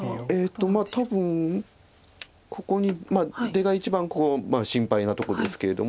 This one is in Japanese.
多分ここに出が一番心配なとこですけれども。